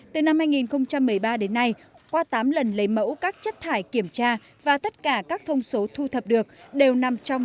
từ năm hai nghìn một mươi ba đến nay qua tám lần lấy mẫu các chất thải kiểm tra và tất cả các thông số thu thập được đều nằm trong